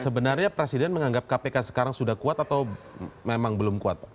sebenarnya presiden menganggap kpk sekarang sudah kuat atau memang belum kuat pak